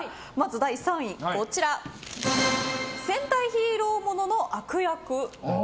第３位、戦隊ヒーロー物の悪役。